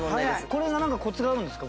これはコツがあるんですか？